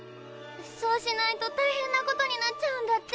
そうしないと大変なことになっちゃうんだって。